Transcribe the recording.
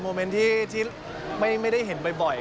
เมนต์ที่ไม่ได้เห็นบ่อย